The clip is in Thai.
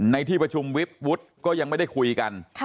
ในที่ประชุมวิบวุฒิก็ยังไม่ได้คุยกัน